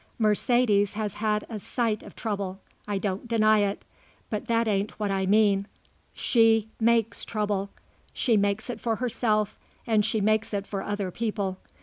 Mercedes has had a sight of trouble. I don't deny it, but that ain't what I mean. She makes trouble. She makes it for herself and she makes it for other people.